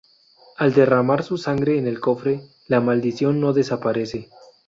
Al derramar su sangre en el cofre, la maldición no desaparece.